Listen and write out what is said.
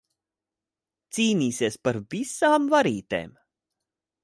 Cīnīsies par visām varītēm.